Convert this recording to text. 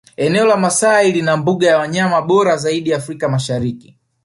Eneo la Maasai lina mbuga ya wanyama bora zaidi Afrika Mashariki